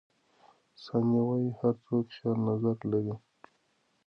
ثانیه وايي، هر څوک خپل نظر لري.